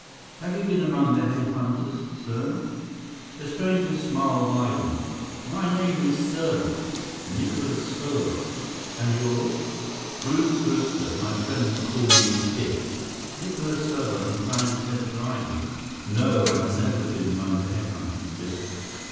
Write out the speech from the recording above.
"Have you been among the head hunters, sir?" The stranger's smile widened. "My name is Serbot, Nicholas Serbot. And yours?" "Bruce Brewster. My friends call me Biff." Nicholas Serbot inclined his head politely. "No, I have never been among the head hunters, Biff.